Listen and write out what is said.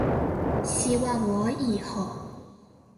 希望我以後